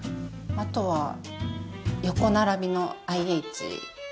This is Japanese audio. あとは横並びのＩＨの。